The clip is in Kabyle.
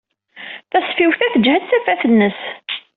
Tasfiwt-a tejhed tafat-nnes.